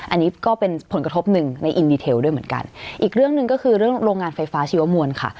อันนี้ก็เป็นผลกระทบหนึ่งในอินดีเทลด้วยเหมือนกันอีกเรื่องหนึ่งก็คือเรื่องโรงงานไฟฟ้าชีวมวลค่ะ